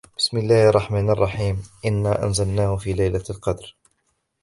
بِسْمِ اللَّهِ الرَّحْمَنِ الرَّحِيمِ إِنَّا أَنْزَلْنَاهُ فِي لَيْلَةِ الْقَدْرِ